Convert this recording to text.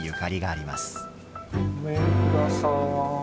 ごめんください。